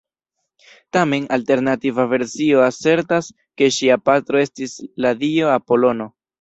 Tamen, alternativa versio asertas ke ŝia patro estis la dio Apolono.